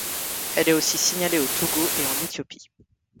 Elle est aussi signalée au Togo, et en Éthiopie.